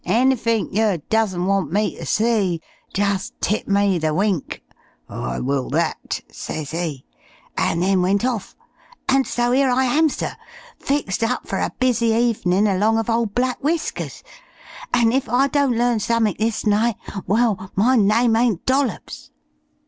Anythink yer doesn't want me ter see, just tip me the wink.' 'I will that,' ses 'e, and then went off. An' so 'ere I am, sir, fixed up for a busy evenin' along uv ole Black Whiskers. An' if I don't learn summink this night, well, my name ain't Dollops!"